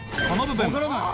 分からない。